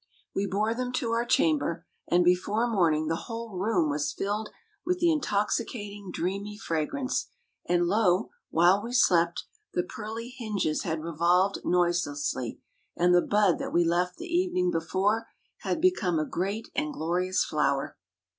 We bore them to our chamber, and before morning the whole room was filled with the intoxicating, dreamy fragrance; and lo! while we slept, the pearly hinges had revolved noiselessly, and the bud that we left the evening before had become a great and glorious flower.